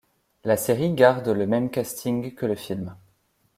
La série garde le même casting que le film.